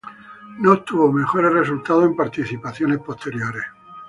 No obtuvo mejores resultados en participaciones posteriores.